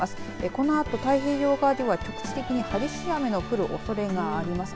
このあと、太平洋側では局地的に激しい雨の降るおそれがあります。